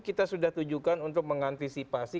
kita sudah tujukan untuk mengantisipasi